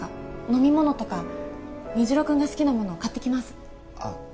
飲み物とか虹朗君が好きなもの買ってきますあっ